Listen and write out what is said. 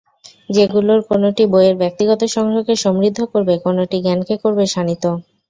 যেগুলোর কোনটি বইয়ের ব্যক্তিগত সংগ্রহকে সমৃদ্ধ করবে, কোনটি জ্ঞানকে করবে শাণিত।